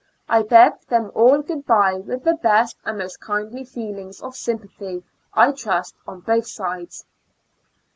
I bade them all good bye, with the best and most kindly feelings of sympathy, I trust, on both sides.